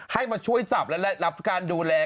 ให้มาช่วยจับและรับการดูแล